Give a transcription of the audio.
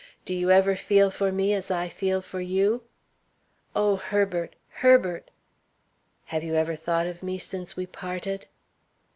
Do you ever feel for me as I feel for you?" "Oh, Herbert! Herbert!" "Have you ever thought of me since we parted?"